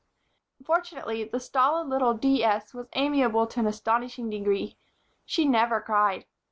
Fortunately, the stolid little "D. S." was amiable to an astonishing degree. She never cried.